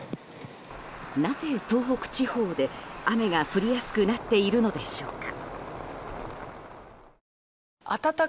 なぜ東北地方で、雨が降りやすくなっているのでしょうか。